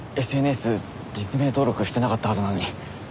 ＳＮＳ実名登録してなかったはずなのに。